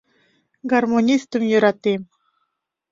Гармонистым йӧратем.